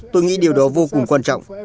tôi nghĩ điều đó vô cùng quan trọng